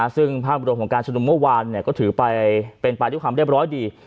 ซึ่งภาพรวมของการชุมนุมเมื่อวานก็ถือไปเป็นไปด้วยความเรียบร้อยดี